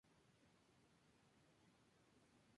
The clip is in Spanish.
Los pantanos alinean gran parte de la orilla.